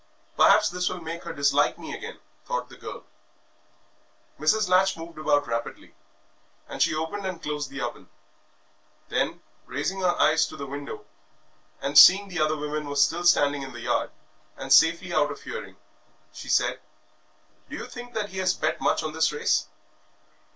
"Perhaps this will make her dislike me again," thought the girl. Mrs. Latch moved about rapidly, and she opened and closed the oven; then, raising her eyes to the window and seeing that the other women were still standing in the yard and safely out of hearing, she said "Do you think that he has bet much on this race?"